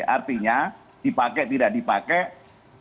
artinya dipakai tidak dipakai